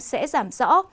sẽ giảm rõ